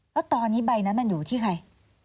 แล้วตอนนี้ใบนั้นมันอยู่ที่ใคร